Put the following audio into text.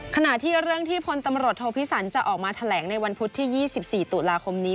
ขณะที่เรื่องที่พลตำรวจโทพิสันจะออกมาแถลงในวันพุธที่๒๔ตุลาคมนี้